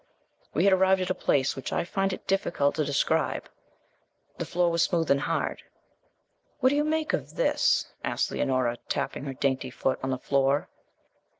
We had arrived at a place which I find it difficult to describe. The floor was smooth and hard. 'What do you make of this?' asked Leonora, tapping her dainty foot on the floor.